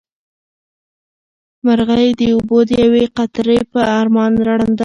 مرغۍ د اوبو د یوې قطرې په ارمان ړنده شوه.